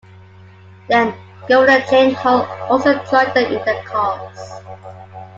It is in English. Then-Governor Jane Hull also joined them in their cause.